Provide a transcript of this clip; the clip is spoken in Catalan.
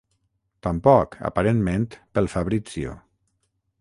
Tampoc, aparentment, pel Fabrizio...